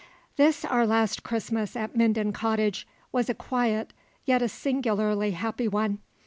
This our last Christmas at Minden Cottage was a quiet yet a singularly happy one.